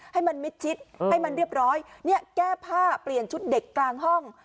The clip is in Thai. ให้มันมิดชิดให้มันเรียบร้อยเนี่ยแก้ผ้าเปลี่ยนชุดเด็กกลางห้อง